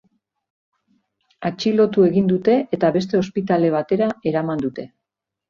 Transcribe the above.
Atxilotu egin dute eta beste ospitale batera eraman dute.